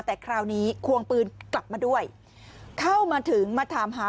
แต่คราวนี้ควงปืนกลับมาด้วยเข้ามาถึงมาถามหา